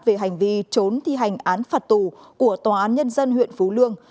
về hành vi trốn thi hành án phạt tù của tòa án nhân dân huyện phú lương